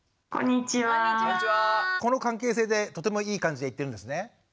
この関係性でとてもいい感じでいってるんですね？